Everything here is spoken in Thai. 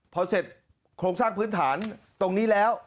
พอเสร็จโครงสร้างพื้นฐานตรงนี้แล้ว